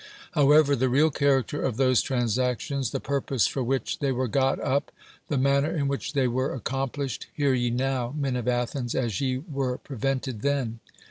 However, the real character of those transactions, the purpose for which they were got up. the manner in which they were ac complished. h'>ar ye now, men of Athens, as ye were prevented then.